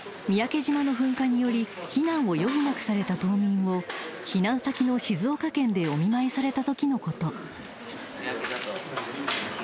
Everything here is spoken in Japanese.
三宅島の噴火により避難を余儀なくされた島民を避難先の静岡県でお見舞いされたときのこと］